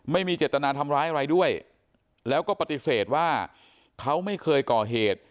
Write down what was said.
ไม่มีเจตนาทำร้ายอะไรด้วยแล้วก็ปฏิเสธว่าเขาไม่เคยก่อเหตุ